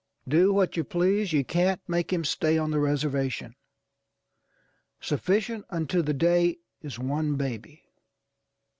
Do what you please, you can't make him stay on the reservation. Sufficient unto the day is one baby.